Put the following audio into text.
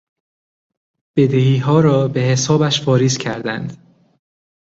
بدهیها را به حسابش واریز کردند.